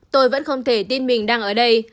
tôi vẫn không thể tin mình đang ở đây